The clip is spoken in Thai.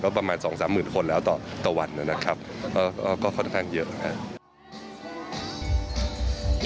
ประมาณสองสามหมื่นคนแล้วต่อต่อวันนะครับก็ค่อนข้างเยอะนะครับ